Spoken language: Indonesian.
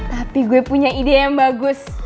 tapi gue punya ide yang bagus